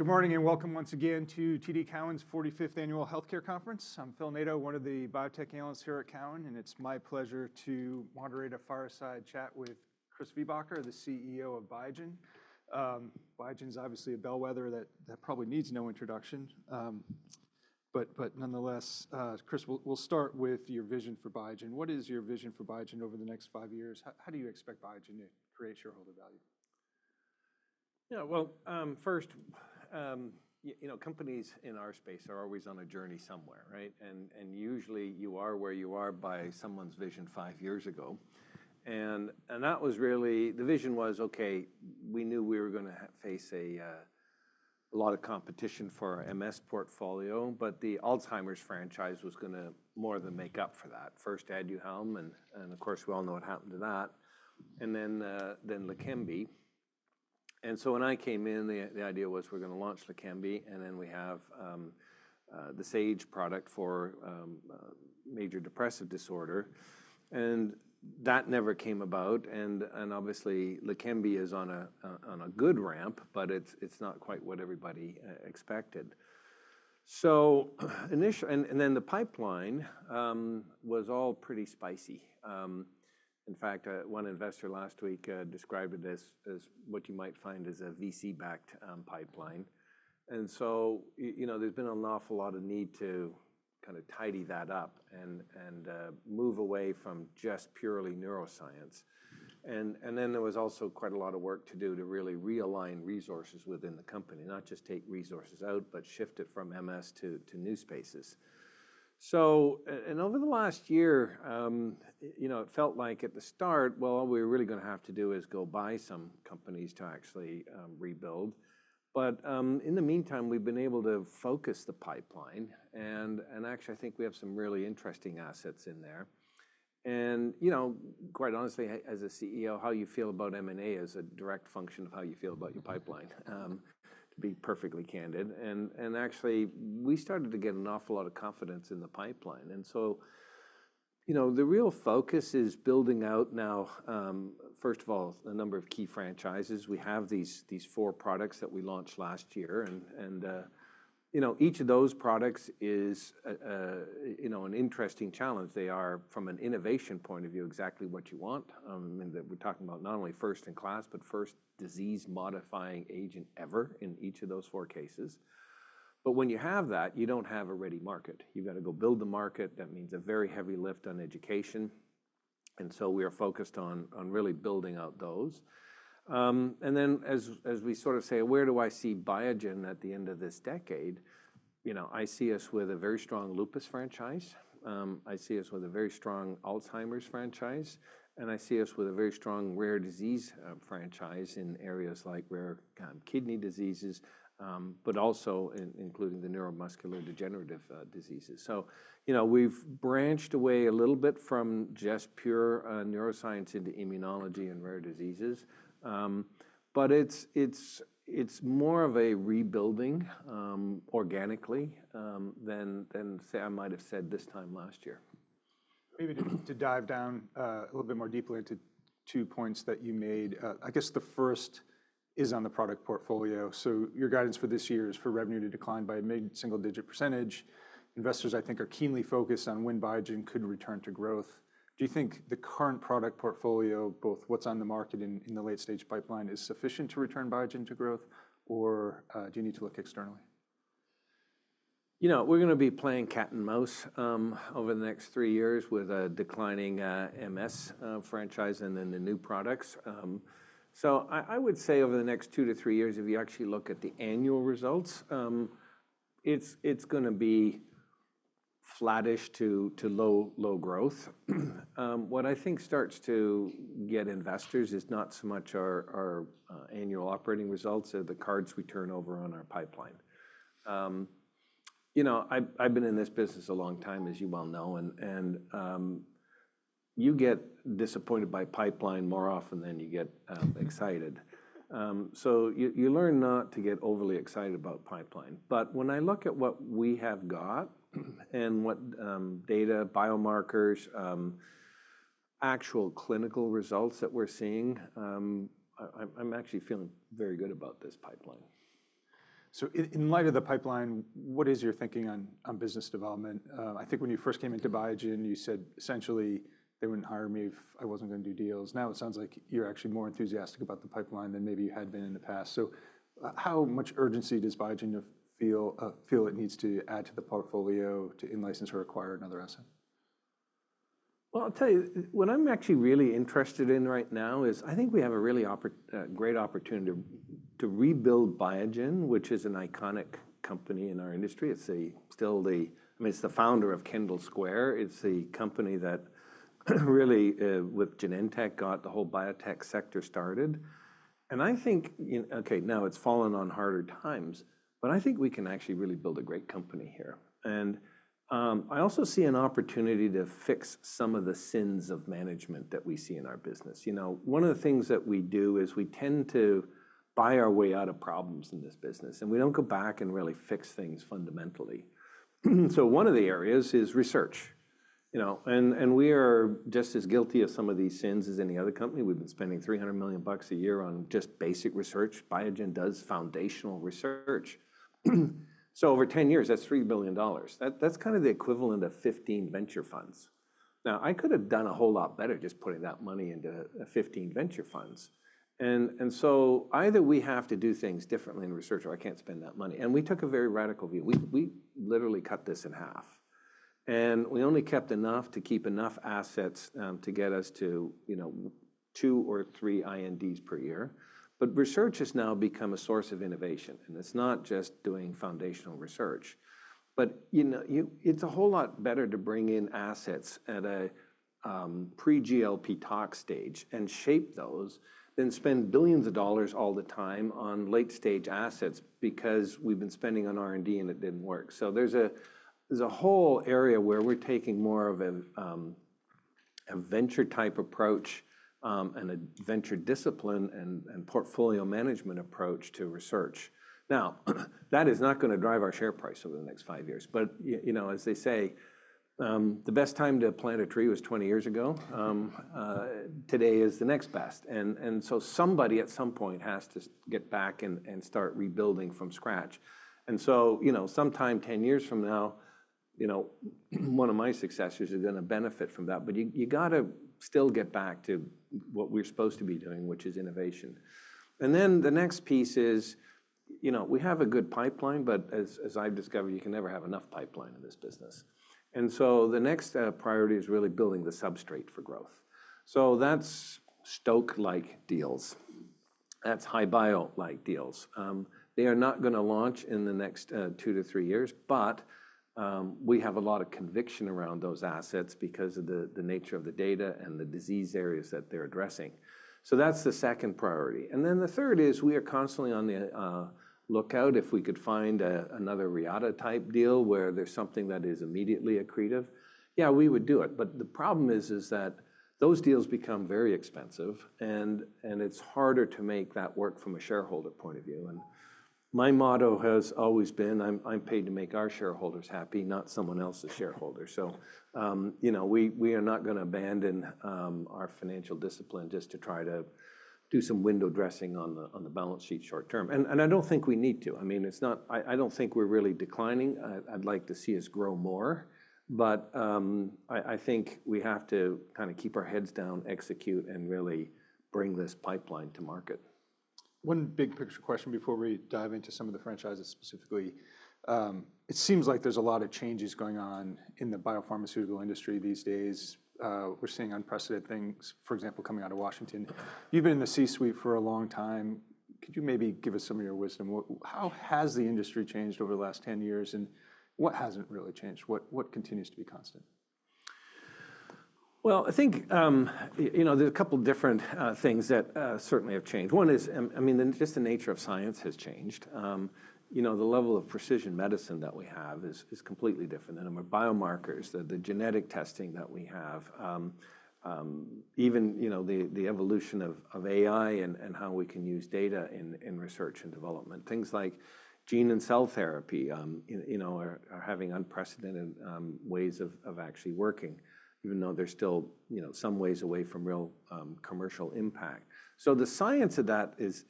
Good morning and welcome once again to TD Cowen’s 45th Annual Healthcare Conference. I’m Phil Nadeau, one of the biotech analysts here at Cowen, and it’s my pleasure to moderate a fireside chat with Chris Viehbacher, the CEO of Biogen. Biogen’s obviously a bellwether that probably needs no introduction. But nonetheless, Chris, we’ll start with your vision for Biogen. What is your vision for Biogen over the next five years? How do you expect Biogen to create shareholder value? Yeah, well, first, you know, companies in our space are always on a journey somewhere, right? And usually you are where you are by someone's vision five years ago. And that was really the vision was, okay, we knew we were going to face a lot of competition for our MS portfolio, but the Alzheimer's franchise was going to more than make up for that. First, Aduhelm, and of course we all know what happened to that. And then Leqembi. And so when I came in, the idea was we're going to launch Leqembi, and then we have the Sage product for major depressive disorder. And that never came about. And obviously Leqembi is on a good ramp, but it's not quite what everybody expected. So initially, and then the pipeline was all pretty spicy. In fact, one investor last week described it as what you might find as a VC-backed pipeline, and so, you know, there's been an awful lot of need to kind of tidy that up and move away from just purely neuroscience, and then there was also quite a lot of work to do to really realign resources within the company, not just take resources out, but shift it from MS to new spaces, so and over the last year, you know, it felt like at the start, well, all we were really going to have to do is go buy some companies to actually rebuild, but in the meantime, we've been able to focus the pipeline, and actually, I think we have some really interesting assets in there. You know, quite honestly, as a CEO, how you feel about M&A is a direct function of how you feel about your pipeline, to be perfectly candid. And actually, we started to get an awful lot of confidence in the pipeline. And so, you know, the real focus is building out now, first of all, a number of key franchises. We have these four products that we launched last year. And, you know, each of those products is, you know, an interesting challenge. They are, from an innovation point of view, exactly what you want. I mean, we're talking about not only first in class, but first disease-modifying agent ever in each of those four cases. But when you have that, you don't have a ready market. You've got to go build the market. That means a very heavy lift on education. And so we are focused on really building out those. And then as we sort of say, where do I see Biogen at the end of this decade? You know, I see us with a very strong lupus franchise. I see us with a very strong Alzheimer's franchise. And I see us with a very strong rare disease franchise in areas like rare kidney diseases, but also including the neuromuscular degenerative diseases. So, you know, we've branched away a little bit from just pure neuroscience into immunology and rare diseases. But it's more of a rebuilding organically than say I might have said this time last year. Maybe to dive down a little bit more deeply into two points that you made. I guess the first is on the product portfolio. So your guidance for this year is for revenue to decline by a mid-single-digit %. Investors, I think, are keenly focused on when Biogen could return to growth. Do you think the current product portfolio, both what's on the market and in the late-stage pipeline, is sufficient to return Biogen to growth? Or do you need to look externally? You know, we're going to be playing cat and mouse over the next three years with a declining MS franchise and then the new products. So I would say over the next two to three years, if you actually look at the annual results, it's going to be flattish to low growth. What I think starts to get investors is not so much our annual operating results or the cards we turn over on our pipeline. You know, I've been in this business a long time, as you well know, and you get disappointed by pipeline more often than you get excited. So you learn not to get overly excited about pipeline. But when I look at what we have got and what data, biomarkers, actual clinical results that we're seeing, I'm actually feeling very good about this pipeline. So, in light of the pipeline, what is your thinking on business development? I think when you first came into Biogen, you said essentially they wouldn't hire me if I wasn't going to do deals. Now it sounds like you're actually more enthusiastic about the pipeline than maybe you had been in the past. So how much urgency does Biogen feel it needs to add to the portfolio to in-license or acquire another asset? I'll tell you, what I'm actually really interested in right now is I think we have a really great opportunity to rebuild Biogen, which is an iconic company in our industry. It's still the, I mean, it's the founder of Kendall Square. It's the company that really with Genentech got the whole biotech sector started. And I think, okay, now it's fallen on harder times, but I think we can actually really build a great company here. And I also see an opportunity to fix some of the sins of management that we see in our business. You know, one of the things that we do is we tend to buy our way out of problems in this business, and we don't go back and really fix things fundamentally. So one of the areas is research, you know, and we are just as guilty of some of these sins as any other company. We've been spending $300 million a year on just basic research. Biogen does foundational research. So over 10 years, that's $3 billion. That's kind of the equivalent of 15 venture funds. Now, I could have done a whole lot better just putting that money into 15 venture funds. And so either we have to do things differently in research or I can't spend that money. And we took a very radical view. We literally cut this in half. And we only kept enough to keep enough assets to get us to, you know, two or three INDs per year. But research has now become a source of innovation. And it's not just doing foundational research. But, you know, it's a whole lot better to bring in assets at a pre-GLP tox stage and shape those than spend billions of dollars all the time on late-stage assets because we've been spending on R&D and it didn't work. So there's a whole area where we're taking more of a venture-type approach and a venture discipline and portfolio management approach to research. Now, that is not going to drive our share price over the next five years. But, you know, as they say, the best time to plant a tree was 20 years ago. Today is the next best. And so, you know, sometime 10 years from now, you know, one of my successors is going to benefit from that. But you got to still get back to what we're supposed to be doing, which is innovation. And then the next piece is, you know, we have a good pipeline, but as I've discovered, you can never have enough pipeline in this business. And so the next priority is really building the substrate for growth. So that's Stoke-like deals. That's HI-Bio-like deals. They are not going to launch in the next two to three years, but we have a lot of conviction around those assets because of the nature of the data and the disease areas that they're addressing. So that's the second priority. And then the third is we are constantly on the lookout. If we could find another Reata-type deal where there's something that is immediately accretive, yeah, we would do it. But the problem is that those deals become very expensive and it's harder to make that work from a shareholder point of view. And my motto has always been, I'm paid to make our shareholders happy, not someone else's shareholders. So, you know, we are not going to abandon our financial discipline just to try to do some window dressing on the balance sheet short term. And I don't think we need to. I mean, it's not, I don't think we're really declining. I'd like to see us grow more. But I think we have to kind of keep our heads down, execute, and really bring this pipeline to market. One big picture question before we dive into some of the franchises specifically. It seems like there's a lot of changes going on in the biopharmaceutical industry these days. We're seeing unprecedented things, for example, coming out of Washington. You've been in the C-suite for a long time. Could you maybe give us some of your wisdom? How has the industry changed over the last 10 years and what hasn't really changed? What continues to be constant? I think, you know, there's a couple of different things that certainly have changed. One is, I mean, just the nature of science has changed. You know, the level of precision medicine that we have is completely different. And then our biomarkers, the genetic testing that we have, even, you know, the evolution of AI and how we can use data in research and development. Things like gene and cell therapy, you know, are having unprecedented ways of actually working, even though they're still, you know, some ways away from real commercial impact. So the science of that is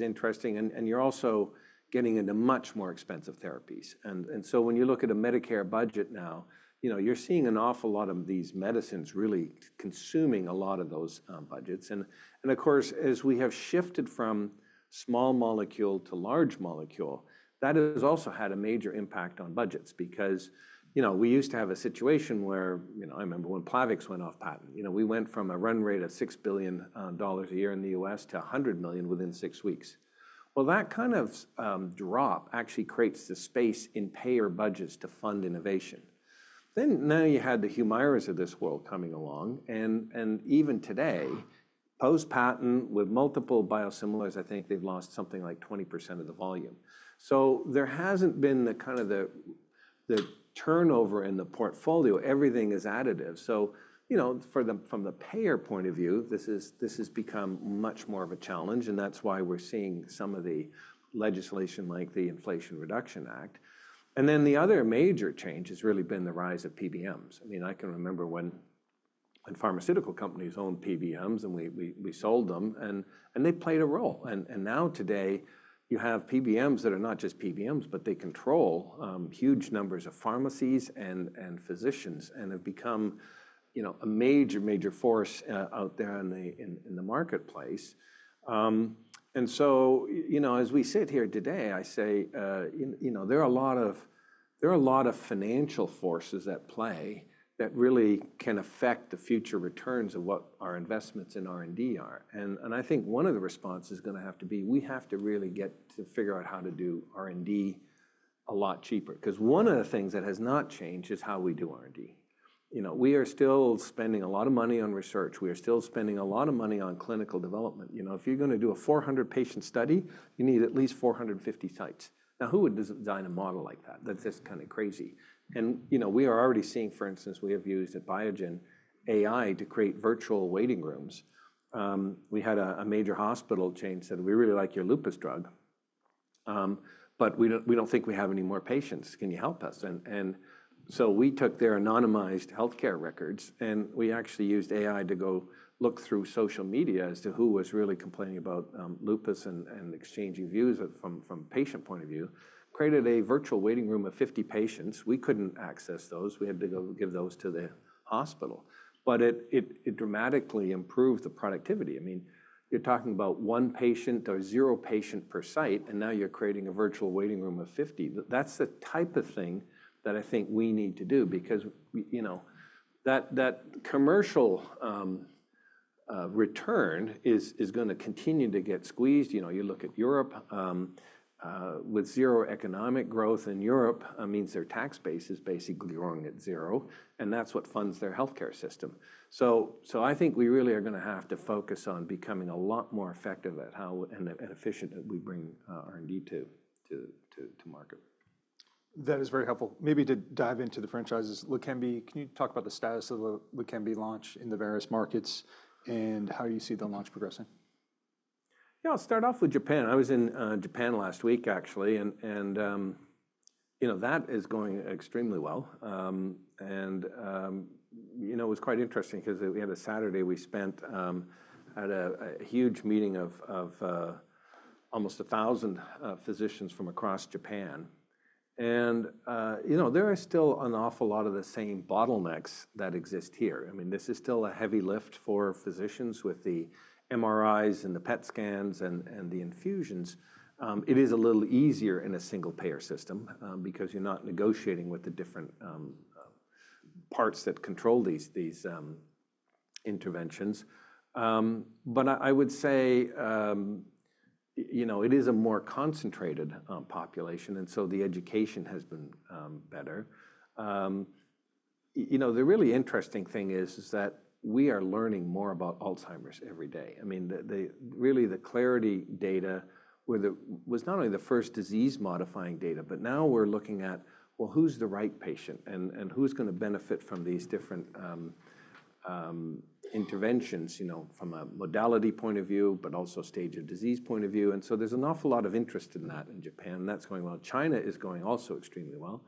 interesting. And you're also getting into much more expensive therapies. And so when you look at a Medicare budget now, you know, you're seeing an awful lot of these medicines really consuming a lot of those budgets. Of course, as we have shifted from small molecule to large molecule, that has also had a major impact on budgets because, you know, we used to have a situation where, you know, I remember when Plavix went off patent, you know, we went from a run rate of $6 billion a year in the U.S. to $100 million within six weeks. That kind of drop actually creates the space in payer budgets to fund innovation. Now you had the Humira of this world coming along. And even today, post-patent with multiple biosimilars, I think they've lost something like 20% of the volume. So there hasn't been the kind of turnover in the portfolio. Everything is additive. So, you know, from the payer point of view, this has become much more of a challenge. And that's why we're seeing some of the legislation like the Inflation Reduction Act. And then the other major change has really been the rise of PBMs. I mean, I can remember when pharmaceutical companies owned PBMs and we sold them and they played a role. And now today you have PBMs that are not just PBMs, but they control huge numbers of pharmacies and physicians and have become, you know, a major, major force out there in the marketplace. And so, you know, as we sit here today, I say, you know, there are a lot of financial forces at play that really can affect the future returns of what our investments in R&D are. And I think one of the responses is going to have to be, we have to really get to figure out how to do R&D a lot cheaper. Because one of the things that has not changed is how we do R&D. You know, we are still spending a lot of money on research. We are still spending a lot of money on clinical development. You know, if you're going to do a 400-patient study, you need at least 450 sites. Now, who would design a model like that? That's just kind of crazy. And, you know, we are already seeing, for instance, we have used AI at Biogen to create virtual waiting rooms. We had a major hospital chain said, "We really like your lupus drug, but we don't think we have any more patients. Can you help us? And so we took their anonymized healthcare records and we actually used AI to go look through social media as to who was really complaining about lupus and exchanging views from a patient point of view, created a virtual waiting room of 50 patients. We couldn't access those. We had to go give those to the hospital. But it dramatically improved the productivity. I mean, you're talking about one patient or zero patient per site, and now you're creating a virtual waiting room of 50. That's the type of thing that I think we need to do because, you know, that commercial return is going to continue to get squeezed. You know, you look at Europe with zero economic growth in Europe means their tax base is basically growing at zero. And that's what funds their healthcare system. I think we really are going to have to focus on becoming a lot more effective and efficient at how we bring R&D to market. That is very helpful. Maybe to dive into the franchises, Leqembi, can you talk about the status of the Leqembi launch in the various markets and how you see the launch progressing? Yeah, I'll start off with Japan. I was in Japan last week, actually. And, you know, that is going extremely well. And, you know, it was quite interesting because we had a Saturday we spent at a huge meeting of almost 1,000 physicians from across Japan. And, you know, there are still an awful lot of the same bottlenecks that exist here. I mean, this is still a heavy lift for physicians with the MRIs and the PET scans and the infusions. It is a little easier in a single payer system because you're not negotiating with the different parts that control these interventions. But I would say, you know, it is a more concentrated population. And so the education has been better. You know, the really interesting thing is that we are learning more about Alzheimer's every day. I mean, really the Clarity data was not only the first disease-modifying data, but now we're looking at, well, who's the right patient and who's going to benefit from these different interventions, you know, from a modality point of view, but also stage of disease point of view. And so there's an awful lot of interest in that in Japan. That's going well. China is going also extremely well.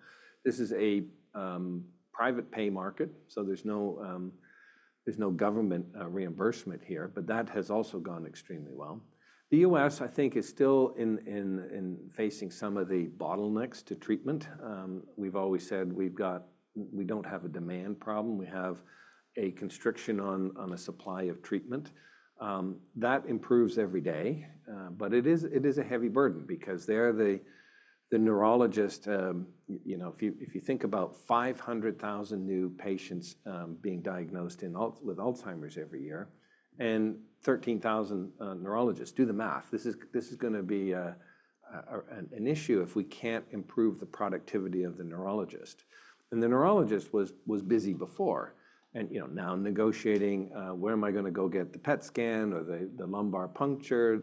This is a private pay market. So there's no government reimbursement here, but that has also gone extremely well. The US, I think, is still facing some of the bottlenecks to treatment. We've always said we've got, we don't have a demand problem. We have a constriction on a supply of treatment. That improves every day. But it is a heavy burden because they're the neurologists, you know, if you think about 500,000 new patients being diagnosed with Alzheimer's every year and 13,000 neurologists. Do the math. This is going to be an issue if we can't improve the productivity of the neurologist. And the neurologist was busy before. And, you know, now negotiating, where am I going to go get the PET scan or the lumbar puncture?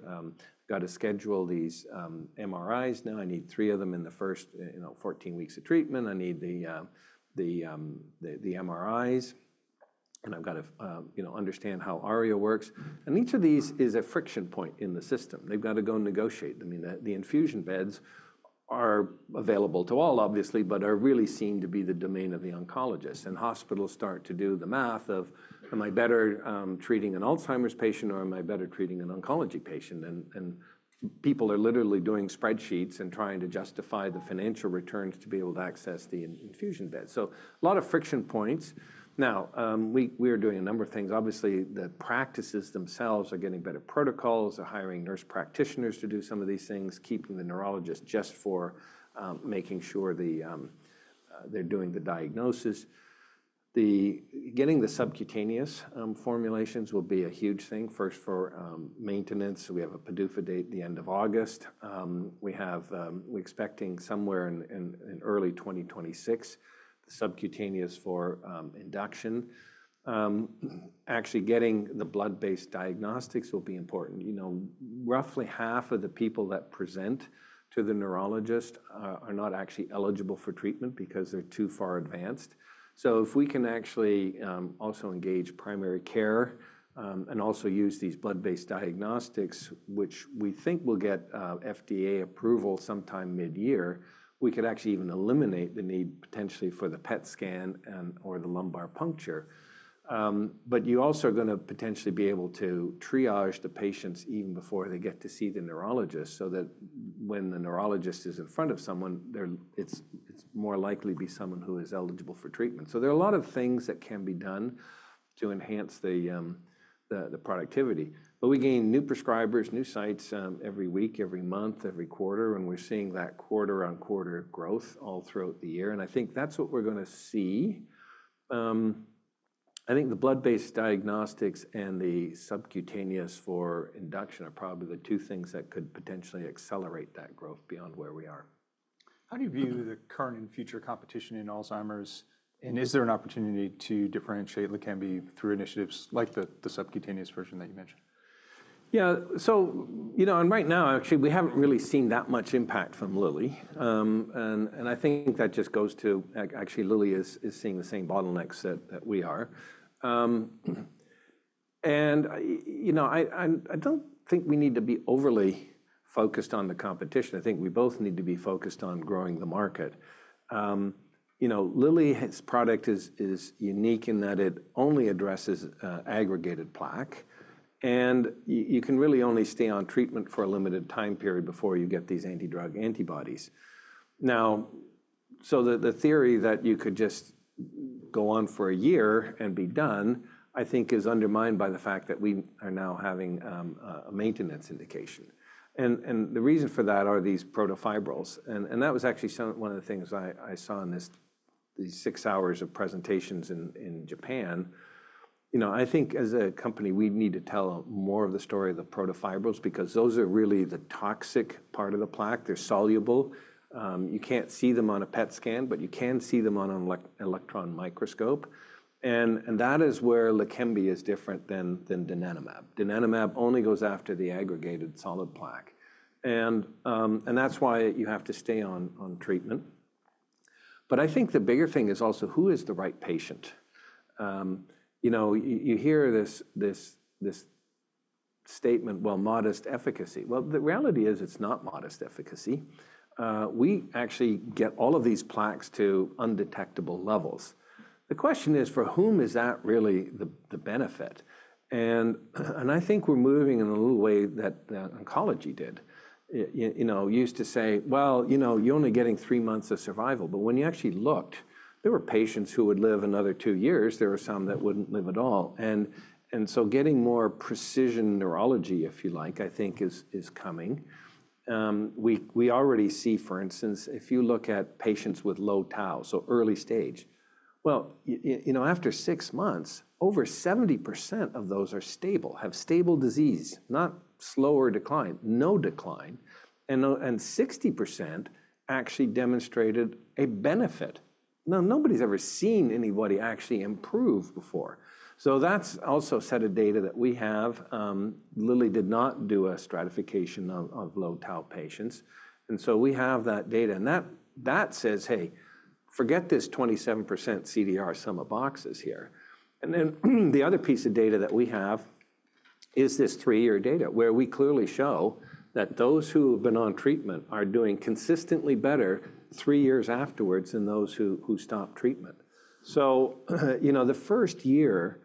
Got to schedule these MRIs. Now I need three of them in the first, you know, 14 weeks of treatment. I need the MRIs. And I've got to, you know, understand how ARIA works. And each of these is a friction point in the system. They've got to go negotiate. I mean, the infusion beds are available to all, obviously, but are really seen to be the domain of the oncologists. Hospitals start to do the math of, am I better treating an Alzheimer's patient or am I better treating an oncology patient? People are literally doing spreadsheets and trying to justify the financial returns to be able to access the infusion bed. A lot of friction points. Now, we are doing a number of things. Obviously, the practices themselves are getting better protocols, are hiring nurse practitioners to do some of these things, keeping the neurologist just for making sure they're doing the diagnosis. Getting the subcutaneous formulations will be a huge thing. First for maintenance, we have a PDUFA date at the end of August. We're expecting somewhere in early 2026, the subcutaneous for induction. Actually getting the blood-based diagnostics will be important. You know, roughly half of the people that present to the neurologist are not actually eligible for treatment because they're too far advanced. So if we can actually also engage primary care and also use these blood-based diagnostics, which we think will get FDA approval sometime mid-year, we could actually even eliminate the need potentially for the PET scan or the lumbar puncture. But you also are going to potentially be able to triage the patients even before they get to see the neurologist so that when the neurologist is in front of someone, it's more likely to be someone who is eligible for treatment. So there are a lot of things that can be done to enhance the productivity. But we gain new prescribers, new sites every week, every month, every quarter. And we're seeing that quarter-on-quarter growth all throughout the year. And I think that's what we're going to see. I think the blood-based diagnostics and the subcutaneous for induction are probably the two things that could potentially accelerate that growth beyond where we are. How do you view the current and future competition in Alzheimer's? And is there an opportunity to differentiate Leqembi through initiatives like the subcutaneous version that you mentioned? Yeah, so you know, and right now, actually, we haven't really seen that much impact from Lilly, and I think that just goes to, actually, Lilly is seeing the same bottlenecks that we are, and you know, I don't think we need to be overly focused on the competition. I think we both need to be focused on growing the market. You know, Lilly's product is unique in that it only addresses aggregated plaque, and you can really only stay on treatment for a limited time period before you get these antidrug antibodies. Now, so the theory that you could just go on for a year and be done, I think is undermined by the fact that we are now having a maintenance indication, and the reason for that are these protofibrils, and that was actually one of the things I saw in these six hours of presentations in Japan. You know, I think as a company, we need to tell more of the story of the protofibrils because those are really the toxic part of the plaque. They're soluble. You can't see them on a PET scan, but you can see them on an electron microscope, and that is where Leqembi is different than donanemab. Donanemab only goes after the aggregated solid plaque, and that's why you have to stay on treatment, but I think the bigger thing is also who is the right patient? You know, you hear this statement, well, modest efficacy. Well, the reality is it's not modest efficacy. We actually get all of these plaques to undetectable levels. The question is, for whom is that really the benefit, and I think we're moving in a little way that oncology did. You know, used to say, well, you know, you're only getting three months of survival. But when you actually looked, there were patients who would live another two years. There were some that wouldn't live at all. And so getting more precision neurology, if you like, I think is coming. We already see, for instance, if you look at patients with low tau, so early stage. Well, you know, after six months, over 70% of those are stable, have stable disease, not slower decline, no decline. And 60% actually demonstrated a benefit. Now, nobody's ever seen anybody actually improve before. So that's also a set of data that we have. Lilly did not do a stratification of low tau patients. And so we have that data. And that says, hey, forget this 27% CDR Sum of Boxes here. And then the other piece of data that we have is this three-year data where we clearly show that those who have been on treatment are doing consistently better three years afterwards than those who stopped treatment. So, you know, the first year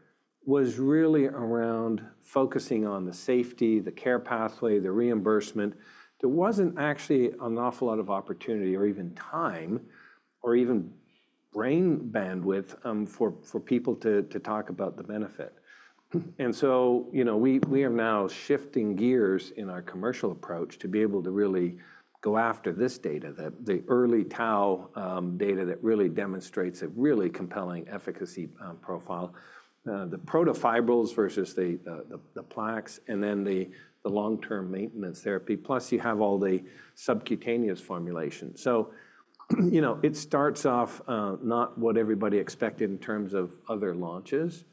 was really around focusing on the safety, the care pathway, the reimbursement. There wasn't actually an awful lot of opportunity or even time or even brain bandwidth for people to talk about the benefit. And so, you know, we are now shifting gears in our commercial approach to be able to really go after this data, the early tau data that really demonstrates a really compelling efficacy profile, the protofibrils versus the plaques, and then the long-term maintenance therapy, plus you have all the subcutaneous formulation. So, you know, it starts off not what everybody expected in terms of other launches,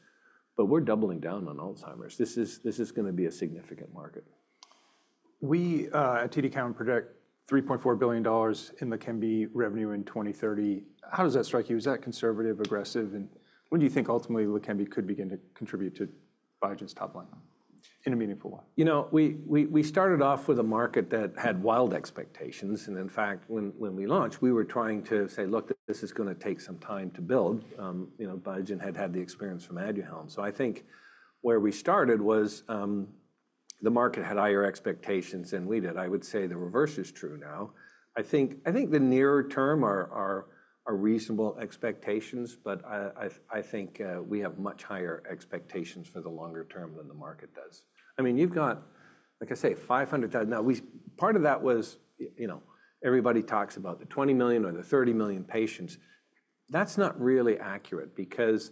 but we're doubling down on Alzheimer's. This is going to be a significant market. We at TD Cowen project $3.4 billion in Leqembi revenue in 2030. How does that strike you? Is that conservative, aggressive? And when do you think ultimately Leqembi could begin to contribute to Biogen's top line in a meaningful way? You know, we started off with a market that had wild expectations. And in fact, when we launched, we were trying to say, look, this is going to take some time to build. You know, Biogen had had the experience from Aduhelm. So I think where we started was the market had higher expectations than we did. I would say the reverse is true now. I think the near term are reasonable expectations, but I think we have much higher expectations for the longer term than the market does. I mean, you've got, like I say, 500,000. Now, part of that was, you know, everybody talks about the 20 million or the 30 million patients. That's not really accurate because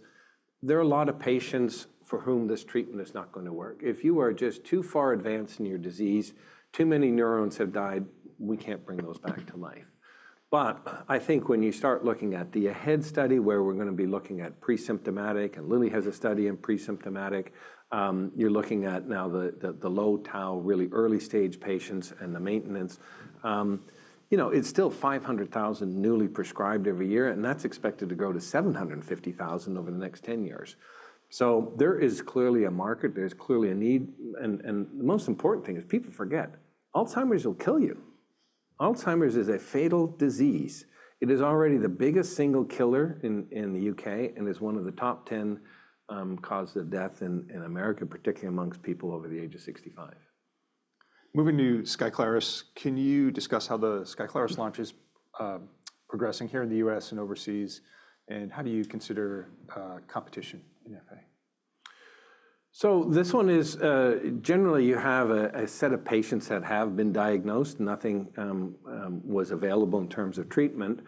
there are a lot of patients for whom this treatment is not going to work. If you are just too far advanced in your disease, too many neurons have died, we can't bring those back to life. But I think when you start looking at the AHEAD study where we're going to be looking at pre-symptomatic, and Lilly has a study in pre-symptomatic, you're looking at now the low tau, really early stage patients and the maintenance. You know, it's still 500,000 newly prescribed every year, and that's expected to grow to 750,000 over the next 10 years. So there is clearly a market. There's clearly a need. And the most important thing is people forget. Alzheimer's will kill you. Alzheimer's is a fatal disease. It is already the biggest single killer in the U.K. and is one of the top 10 causes of death in America, particularly amongst people over the age of 65. Moving to Skyclarys, can you discuss how the Skyclarys launch is progressing here in the U.S. and overseas? How do you consider competition in FA? So this one is generally you have a set of patients that have been diagnosed. Nothing was available in terms of treatment.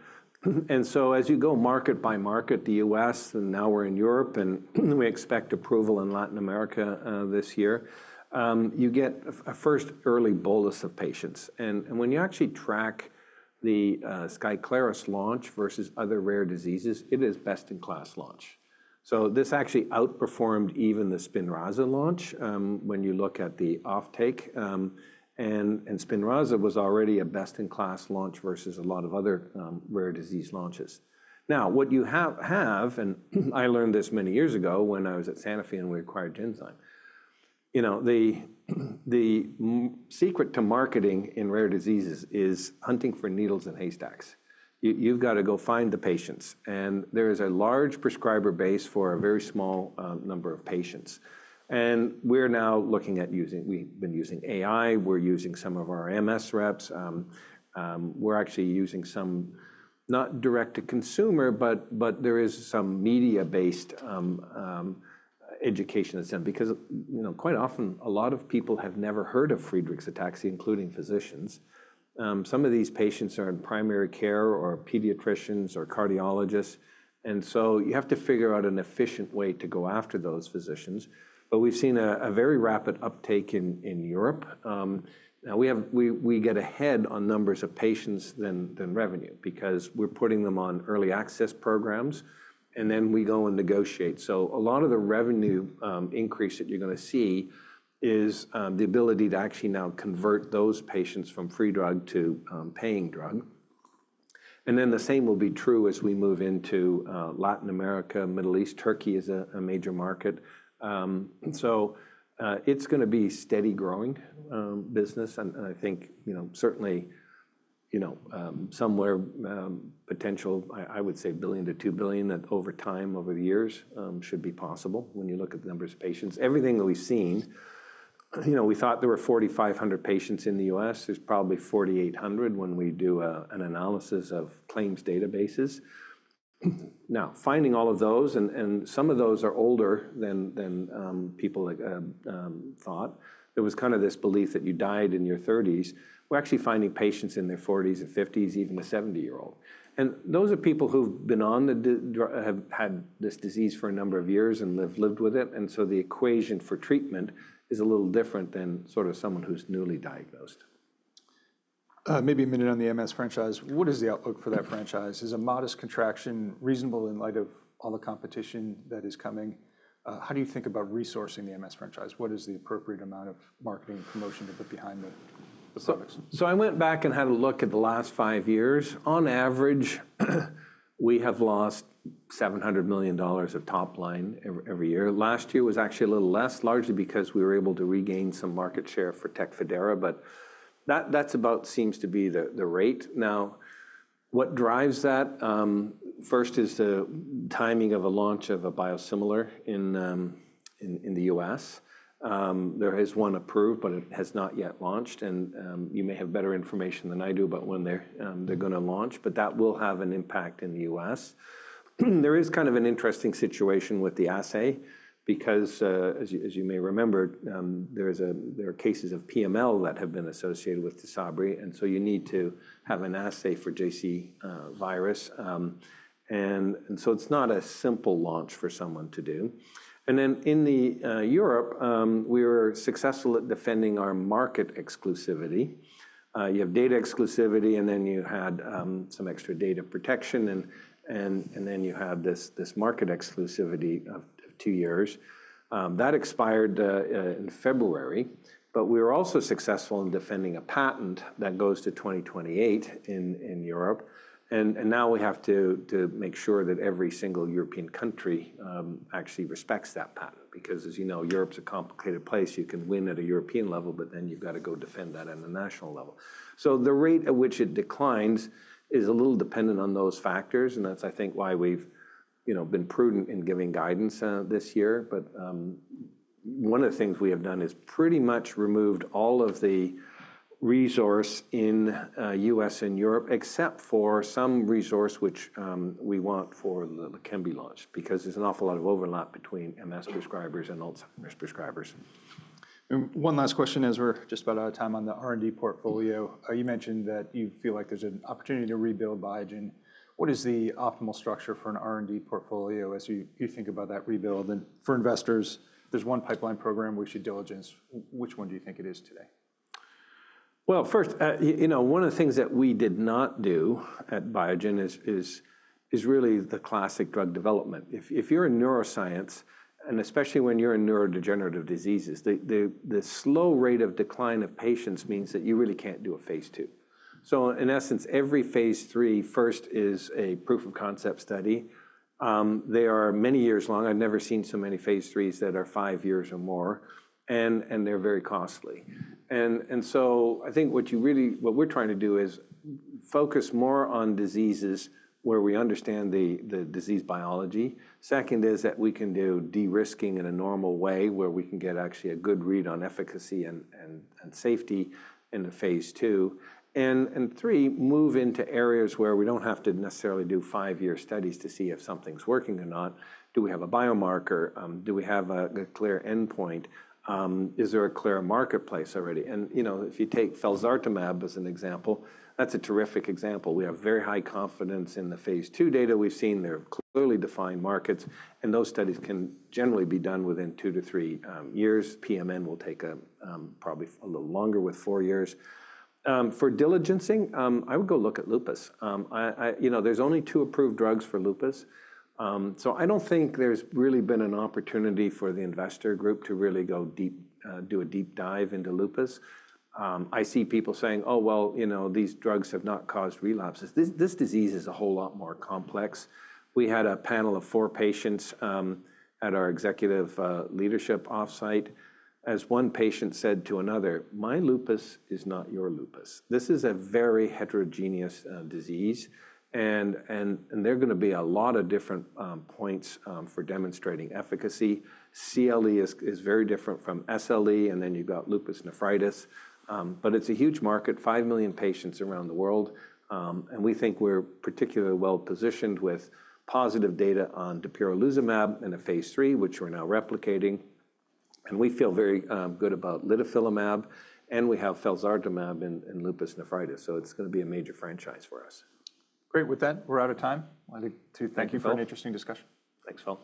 And so as you go market by market, the U.S., and now we're in Europe, and we expect approval in Latin America this year, you get a first early bolus of patients. And when you actually track the Skyclarys launch versus other rare diseases, it is best-in-class launch. So this actually outperformed even the Spinraza launch when you look at the offtake. And Spinraza was already a best-in-class launch versus a lot of other rare disease launches. Now, what you have, and I learned this many years ago when I was at Sanofi and we acquired Genzyme, you know, the secret to marketing in rare diseases is hunting for needles and haystacks. You've got to go find the patients. There is a large prescriber base for a very small number of patients. We're now looking at using, we've been using AI. We're using some of our MS reps. We're actually using some, not direct to consumer, but there is some media-based education that's done because, you know, quite often a lot of people have never heard of Friedreich's ataxia, including physicians. Some of these patients are in primary care or pediatricians or cardiologists, and so you have to figure out an efficient way to go after those physicians. We've seen a very rapid uptake in Europe. Now, we get ahead on numbers of patients than revenue because we're putting them on early access programs, and then we go and negotiate. A lot of the revenue increase that you're going to see is the ability to actually now convert those patients from free drug to paying drug. And then the same will be true as we move into Latin America, Middle East. Turkey is a major market. It's going to be steady growing business. And I think, you know, certainly, you know, somewhere potential, I would say $1 billion-$2 billion that over time, over the years, should be possible when you look at the numbers of patients. Everything that we've seen, you know, we thought there were 4,500 patients in the U.S. There's probably 4,800 when we do an analysis of claims databases. Now, finding all of those, and some of those are older than people thought. There was kind of this belief that you died in your 30s. We're actually finding patients in their 40s and 50s, even a 70-year-old, and those are people who've been on the drug, have had this disease for a number of years and have lived with it, and so the equation for treatment is a little different than sort of someone who's newly diagnosed. Maybe a minute on the MS franchise. What is the outlook for that franchise? Is a modest contraction reasonable in light of all the competition that is coming? How do you think about resourcing the MS franchise? What is the appropriate amount of marketing and promotion to put behind the products? I went back and had a look at the last five years. On average, we have lost $700 million of top line every year. Last year was actually a little less, largely because we were able to regain some market share for Tecfidera. But that's about seems to be the rate. Now, what drives that? First is the timing of a launch of a biosimilar in the U.S. There is one approved, but it has not yet launched. And you may have better information than I do about when they're going to launch, but that will have an impact in the U.S. There is kind of an interesting situation with the assay because, as you may remember, there are cases of PML that have been associated with Tysabri. And so you need to have an assay for JC virus. It's not a simple launch for someone to do. And then in Europe, we were successful at defending our market exclusivity. You have data exclusivity, and then you had some extra data protection. And then you have this market exclusivity of two years. That expired in February. But we were also successful in defending a patent that goes to 2028 in Europe. And now we have to make sure that every single European country actually respects that patent because, as you know, Europe's a complicated place. You can win at a European level, but then you've got to go defend that at a national level. So the rate at which it declines is a little dependent on those factors. And that's, I think, why we've been prudent in giving guidance this year. But one of the things we have done is pretty much removed all of the resource in U.S. and Europe, except for some resource which we want for the Leqembi launch because there's an awful lot of overlap between MS prescribers and Alzheimer's prescribers. One last question as we're just about out of time on the R&D portfolio. You mentioned that you feel like there's an opportunity to rebuild Biogen. What is the optimal structure for an R&D portfolio as you think about that rebuild? And for investors, there's one pipeline program, which is diligence. Which one do you think it is today? Well, first, you know, one of the things that we did not do at Biogen is really the classic drug development. If you're in neuroscience, and especially when you're in neurodegenerative diseases, the slow rate of decline of patients means that you really can't do a phase 2. So in essence, every phase 3 first is a proof of concept study. They are many years long. I've never seen so many phase 3s that are five years or more. And they're very costly. And so I think what you really, what we're trying to do is focus more on diseases where we understand the disease biology. Second is that we can do de-risking in a normal way where we can get actually a good read on efficacy and safety in the phase 2. And three, move into areas where we don't have to necessarily do five-year studies to see if something's working or not. Do we have a biomarker? Do we have a clear endpoint? Is there a clear marketplace already? And you know, if you take felzartamab as an example, that's a terrific example. We have very high confidence in the phase two data we've seen. They're clearly defined markets. And those studies can generally be done within two to three years. PMN will take probably a little longer with four years. For diligencing, I would go look at lupus. You know, there's only two approved drugs for lupus. So I don't think there's really been an opportunity for the investor group to really go deep, do a deep dive into lupus. I see people saying, oh, well, you know, these drugs have not caused relapses. This disease is a whole lot more complex. We had a panel of four patients at our executive leadership offsite. As one patient said to another, my lupus is not your lupus. This is a very heterogeneous disease, and there are going to be a lot of different points for demonstrating efficacy. CLE is very different from SLE, and then you've got lupus nephritis, but it's a huge market, five million patients around the world, and we think we're particularly well positioned with positive data on dapirolizumab pegol in a phase three, which we're now replicating, and we feel very good about litifilimab, and we have felzartamab in lupus nephritis, so it's going to be a major franchise for us. Great with that. We're out of time. I'd like to thank you for an interesting discussion. Thanks, Phil.